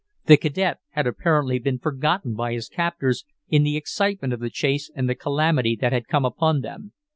The cadet had apparently been forgotten by his captors in the excitement of the chase and the calamity that had come upon them.